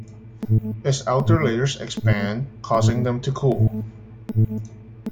Its outer layers expand, causing them to cool.